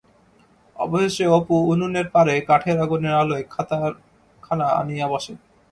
অবশেষে অপু উনুনের পাড়ে কাঠের আগুনের আলোয় খাতাখানা আনিয়া বসে।